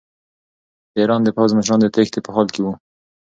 د ایران د پوځ مشران د تېښتې په حال کې وو.